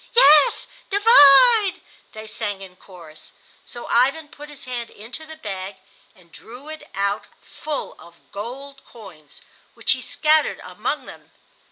"Yes; divide!" they sang in chorus. So Ivan put his hand into the bag and drew it out full of gold coins, which he scattered among them.